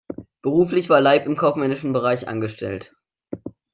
Beruflich war Leip im kaufmännischen Bereich angestellt.